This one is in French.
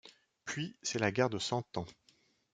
Puis, c'est la guerre de Cent Ans.